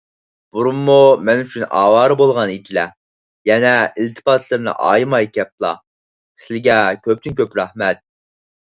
بۇرۇنمۇ مەن ئۈچۈن ئاۋارە بولغان ئىدىلە، يەنە ئىلتىپاتلىرىنى ئايىماي كەپلا. سىلىگە كۆپتىن - كۆپ رەھمەت!